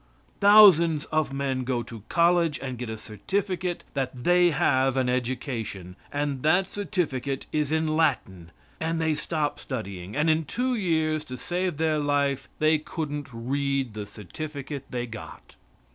Thousands of men go to college and get a certificate that they have an education, and that certificate is in Latin and they stop studying, and in two years, to save their life, they couldn't read the certificate they got.